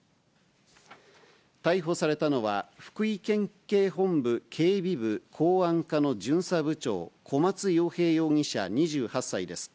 逮捕されたのは、福井県警本部警備部公安課の巡査部長、小松陽平容疑者２８歳です。